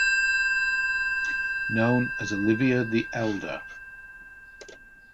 Known as Olivier the Elder.